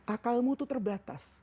akalmu itu terbatas